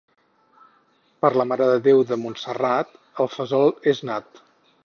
Per la Mare de Déu de Montserrat el fesol és nat.